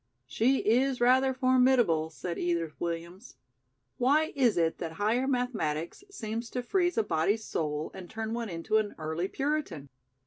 "She is rather formidable," said Edith Williams. "Why is it that Higher Mathematics seems to freeze a body's soul and turn one into an early Puritan?"